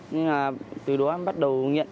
nên là từ đó em bắt đầu nghiện